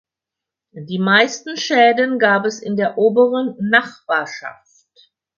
Die meisten Schäden gab es in der oberen Nachbarschaft.